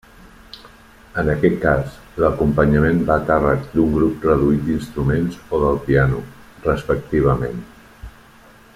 En aquest cas, l'acompanyament va a càrrec d'un grup reduït d'instruments o del piano, respectivament.